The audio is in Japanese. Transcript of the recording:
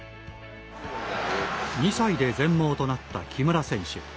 ２歳で全盲となった木村選手。